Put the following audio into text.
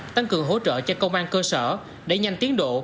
tăng cường hỗ trợ cho công an cơ sở để nhanh tiến độ